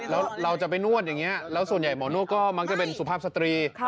แล้วเราจะไปนวดอย่างนี้แล้วส่วนใหญ่หมอนวดก็มักจะเป็นสุภาพสตรี